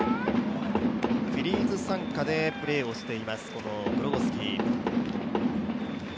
フィリーズ傘下でプレーしています、グロゴスキ。